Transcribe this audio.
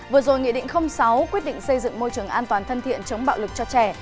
vừa rồi nghị định sáu quyết định xây dựng môi trường an toàn thân thiện chống bạo lực cho trẻ